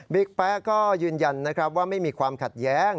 แป๊ะก็ยืนยันนะครับว่าไม่มีความขัดแย้ง